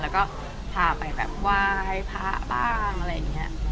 แล้วก็พาไปแบบไหว้พระบ้างอะไรอย่างนี้